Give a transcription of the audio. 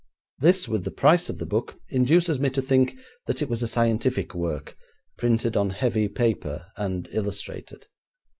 This, with the price of the book, induces me to think that it was a scientific work, printed on heavy paper and illustrated.'